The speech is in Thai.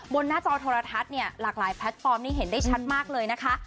หน้าจอโทรทัศน์เนี่ยหลากหลายแพลตฟอร์มนี่เห็นได้ชัดมากเลยนะคะ